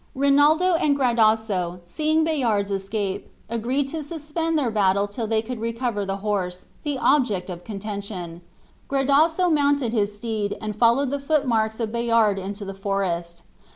Rinaldo and Gradasso, seeing Bayard's escape, agreed to suspend their battle till they could recover the horse, the object of contention. Gradasso mounted his steed, and followed the foot marks of Bayard into the forest.